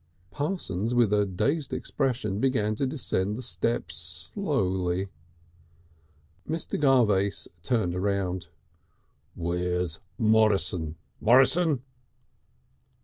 Parsons, with a dazed expression, began to descend the steps slowly. Mr. Garvace turned about. "Where's Morrison? Morrison!"